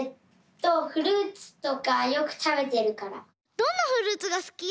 どんなフルーツがすき？